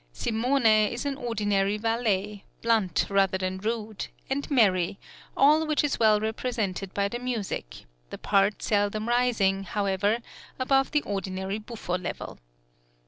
Simone is an ordinary valet, blunt rather than rude, and merry, all which is well represented by the music, the part seldom rising, however, above the ordinary buffo level.